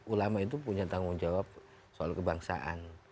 ulama itu punya tanggung jawab soal kebangsaan